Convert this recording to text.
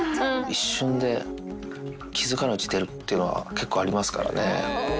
一瞬で気付かないうちに出るっていうのは、結構ありますからね。